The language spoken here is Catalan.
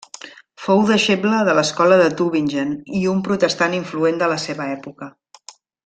Fou deixeble de l'escola de Tübingen i un protestant influent de la seva època.